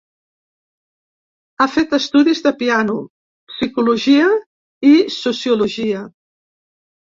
Ha fet estudis de piano, psicologia i sociologia.